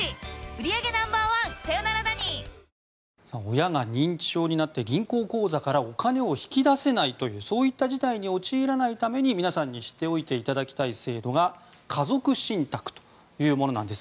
親が認知症になって銀行口座からお金を引き出せないというそういった事態に陥らないために皆さんに知っていただきたい制度が家族信託というものなんです。